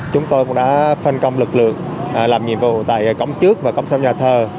chúng tôi cũng đã phân công lực lượng làm nhiệm vụ tại cổng trước và cổng sau nhà thờ